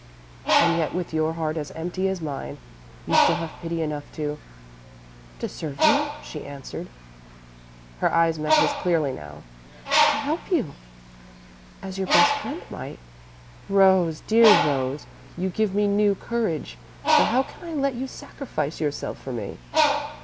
"And yet, with your heart as empty as mine you still have pity enough to " "To serve you," she answered. Her eyes met his clearly now. "To help you as your best friend might." "Rose, dear Rose! You give me new courage, but how can I let you sacrifice yourself for me?"